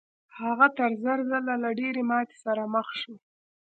هغه تر زر ځله له ډېرې ماتې سره مخ شو.